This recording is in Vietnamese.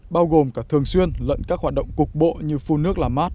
bao gồm cả thường xuyên lận các hoạt động cục bộ như phun nước làm mát